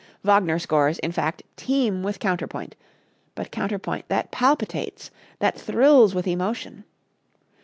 Wagner scores, in fact, teem with counterpoint, but counterpoint that palpitates, that thrills with emotion.